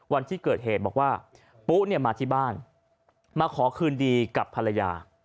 วันที่เกิดเหตุบอกว่าปุ๊เนี่ยมาที่บ้านมาขอคืนดีกับภรรยา